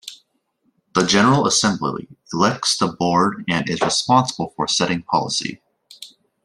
The General Assembly elects the Board and is responsible for setting policy.